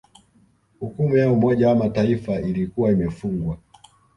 Hukumu ya Umoja wa Mataifa ilikuwa imefungwa